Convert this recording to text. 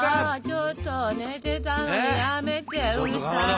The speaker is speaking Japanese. ちょっと寝てたのにやめてうるさい。